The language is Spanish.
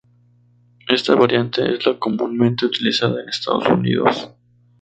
Esta variante es la comúnmente utilizada en Estados Unidos.